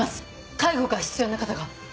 介護が必要な方が。